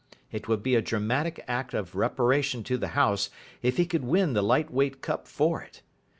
It would be a dramatic act of reparation to the house if he could win the Light Weight cup for it.